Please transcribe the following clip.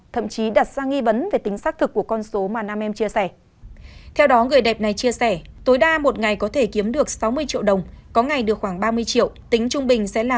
thậm chí đặt ra nghi vấn về tính xác thực của con số mà nam em chia sẻ